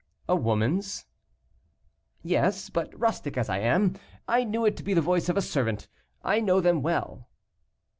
"A woman's?" "Yes, but, rustic as I am, I knew it to be the voice of a servant. I know them well."